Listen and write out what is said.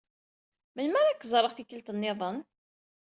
Melmi ara k-ẓreɣ tikkelt niḍen?